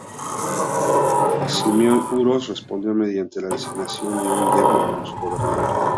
Simeón Uroš respondió mediante la designación de su yerno como su gobernador.